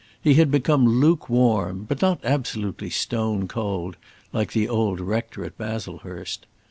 He had become lukewarm, but not absolutely stone cold, like the old rector at Baslehurst.